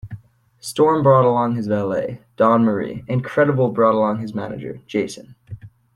Storm brought along his valet, Dawn Marie, and Credible brought along his manager, Jason.